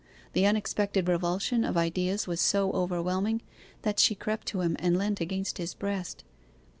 The unexpected revulsion of ideas was so overwhelming that she crept to him and leant against his breast.